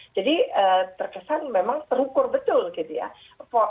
jadi terkesan memang terukur betul gitu ya